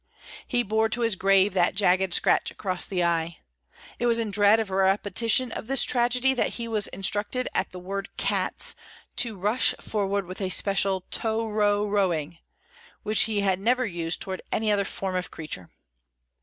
He bore to his grave that jagged scratch across the eye. It was in dread of a repetition of this tragedy that he was instructed at the word "Cats" to rush forward with a special "tow row rowing," which he never used toward any other form of creature.